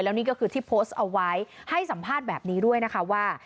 นี่ก็คือที่โพสต์เอาไว้ให้สัมภาษณ์แบบนี้ด้วยนะคะว่า